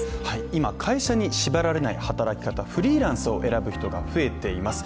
今、会社に縛られない働き方、フリーランスを選ぶ人が増えてきています。